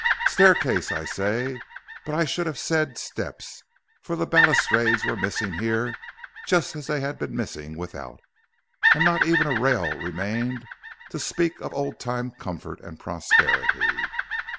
Staircase I say, but I should have said steps, for the balustrades were missing here just as they had been missing without, and not even a rail remained to speak of old time comfort and prosperity.